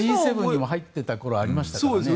Ｇ７に入ってた時もありましたからね。